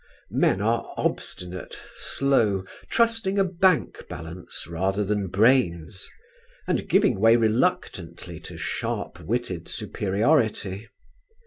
Men are obstinate, slow, trusting a bank balance rather than brains; and giving way reluctantly to sharp witted superiority.